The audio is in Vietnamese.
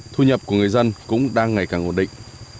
thu nhập của người dân cũng đang ngày càng ổn định